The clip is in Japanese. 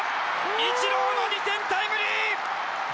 イチローの２点タイムリー！